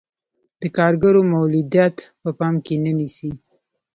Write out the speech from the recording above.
د کارګرو مولدیت په پام کې نه نیسي.